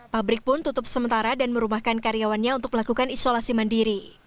pabrik pun tutup sementara dan merumahkan karyawannya untuk melakukan isolasi mandiri